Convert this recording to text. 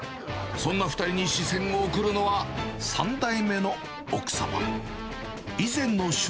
そんな２人に視線を送るのは、３代目の奥様。